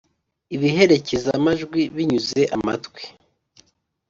Ibiherekeza-majwi binyuze amatwi